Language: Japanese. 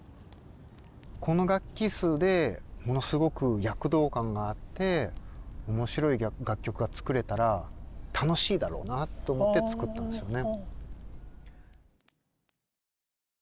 この楽器数でものすごく躍動感があって面白い楽曲が作れたら楽しいだろうなと思って作ったんですよね。